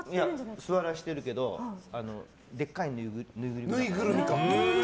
座らせてるけどでかいぬいぐるみ。